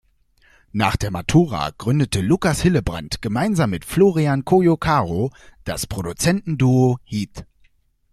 Nach der Matura gründete Lukas Hillebrand gemeinsam mit Florian Cojocaru das Produzentenduo Heat.